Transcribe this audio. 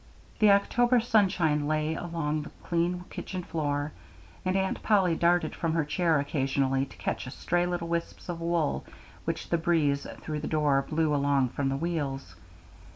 The October sunshine lay along the clean kitchen floor, and Aunt Polly darted from her chair occasionally to catch stray little wisps of wool which the breeze through the door blew along from the wheels.